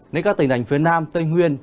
nên các tỉnh đành phía nam tây nguyên